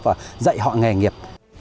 và dạy họ nghề nghiệp